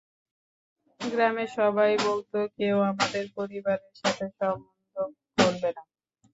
গ্রামের সবাই বলতো কেউ আমাদের পরিবারের সাথে সম্বন্ধ করবে না।